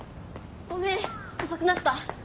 ごめん遅くなった。